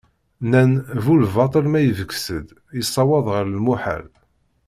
Nnan bu lbaṭel ma ibges-d, yessawaḍ ɣer lmuḥal.